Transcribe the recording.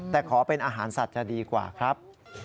แต่ขอเป็นอาหารสัตว์จะดีกว่าครับ